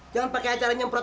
jangan pakai cara nyemprot